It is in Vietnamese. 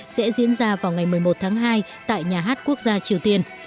sẽ diễn ra vào ngày một mươi một tháng hai tại nhà hát quốc gia triều tiên